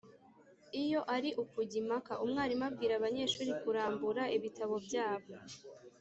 Iyo ari ukujya impaka, umwarimu abwira abanyeshuri kurambura ibitabo byabo